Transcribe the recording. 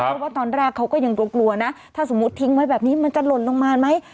เพราะว่าตอนแรกเขาก็ยังกลัวนะถ้าสมมุติทิ้งไว้แบบนี้มันจะหล่นลงมาไหม